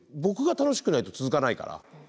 僕が楽しくないと続かないから。